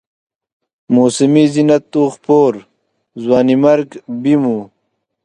موسمي زینت و خپور، ځوانیمرګ بیم و